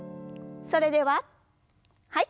それでははい。